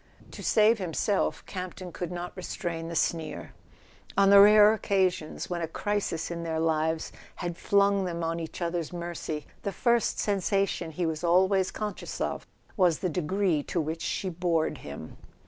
" To save himself Campton could not restrain the sneer; on the rare occasions when a crisis in their lives flung them on each other's mercy, the first sensation he was always conscious of was the degree to which she bored him.